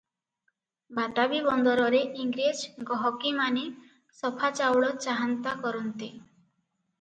ବତାବୀ ବନ୍ଦରରେ ଇଂରେଜ ଗହକିମାନେ ସଫା ଚାଉଳ ଚାହାନ୍ତା କରନ୍ତି ।